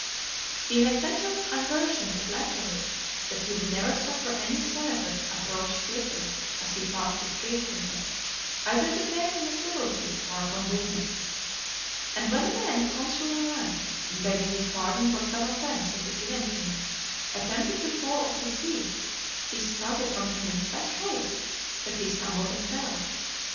XXVII. He had such an aversion to flattery, that he would never suffer any senator to approach his litter, as he passed the streets in it, either to pay him a civility, or upon business. (211) And when a man of consular rank, in begging his pardon for some offence he had given him, attempted to fall at his feet, he started from him in such haste, that he stumbled and fell.